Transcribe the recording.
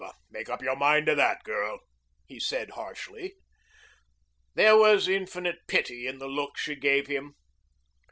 Make up your mind to that, girl," he said harshly. There was infinite pity in the look she gave him.